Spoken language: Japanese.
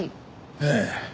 ええ。